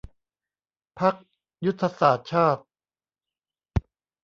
พรรคยุทธศาสตร์ชาติ